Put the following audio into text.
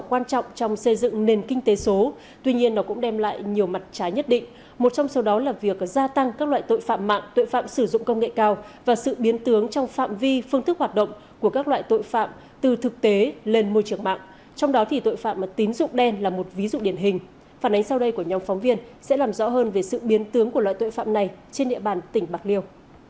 quan trọng trong xây dựng nền kinh tế số tuy nhiên nó cũng đem lại nhiều mặt trái nhất định một trong số đó là việc gia tăng các loại tội phạm mạng tội phạm sử dụng công nghệ cao và sự biến tướng trong phạm vi phương thức hoạt động của các loại tội phạm từ thực tế lên môi trường mạng trong đó thì tội phạm tín dụng đen là một ví dụ điển hình phản ánh sau đây của nhóm phóng viên sẽ làm rõ hơn về sự biến tướng của loại tội phạm này trên địa bàn tỉnh bạc liêu